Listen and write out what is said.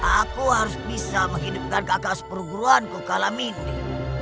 aku harus bisa menghidupkan kakak sepuru guruanku kalam ini